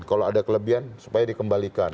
kalau ada kelebihan supaya dikembalikan